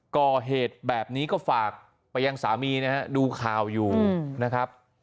ก่อเหตุแบบนี้ก็ฝากไปยังสามีนะฮะดูข่าวอยู่นะครับ